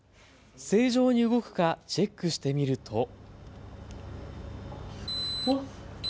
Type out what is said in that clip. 正常に動くかチェックしてみると。